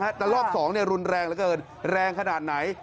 แต่รอบ๒รุนแรงเหลือเกินแรงขนาดไหน